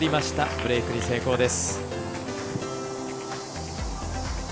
ブレークに成功です。